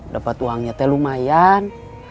dapat uangnya teh lumayan